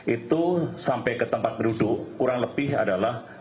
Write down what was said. itu sampai ke tempat duduk kurang lebih adalah